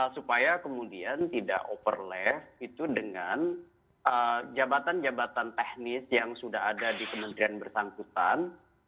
supaya kemudian tidak overlaft itu dengan jabatan jabatan teknis yang sudah ada di kementerian bersangkutan